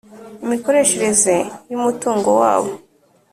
imikoreshereze yu mutungo wabo